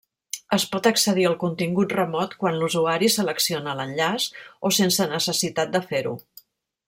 Es pot accedir al contingut remot quan l'usuari selecciona l'enllaç o sense necessitat de fer-ho.